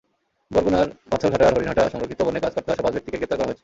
বরগুনার পাথরঘাটার হরিণঘাটা সংরক্ষিত বনে গাছ কাটতে আসা পাঁচ ব্যক্তিকে গ্রেপ্তার করা হয়েছে।